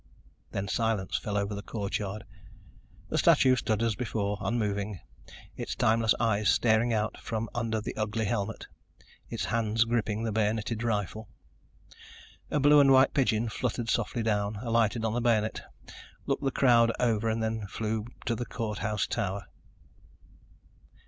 Then silence fell over the courtyard. The statue stood as before, unmoving, its timeless eyes staring out from under the ugly helmet, its hands gripping the bayoneted rifle. A blue and white pigeon fluttered softly down, alighted on the bayonet, looked the crowd over and then flew to the courthouse tower.